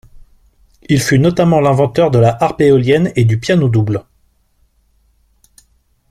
Il fut notamment l'inventeur de la Harpe éolienne et du Piano double.